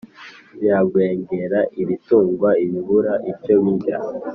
biragwengera, ibitungwa bibura icyo birya,